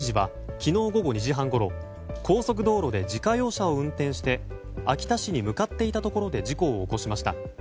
秋田県の佐竹知事は昨日午後２時半ごろ高速道路で自家用車を運転して秋田市に向かっていたところで事故を起こしました。